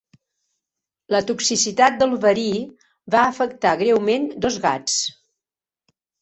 La toxicitat del verí va afectar greument dos gats.